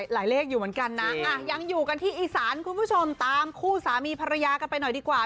เลขอยู่เหมือนกันนะยังอยู่กันที่อีสานคุณผู้ชมตามคู่สามีภรรยากันไปหน่อยดีกว่า